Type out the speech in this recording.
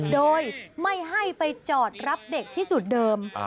โดยไม่ให้ไปจอดรับเด็กที่จุดเดิม